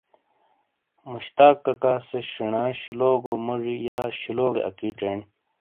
مشتاق ککا سے شینا شلوگو موجی یا شلوگے اکی چینڈ۔